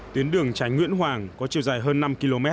tuyến đường tránh nguyễn hoàng có chiều dài hơn năm km